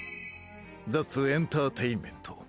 ザッツエンターテインメント。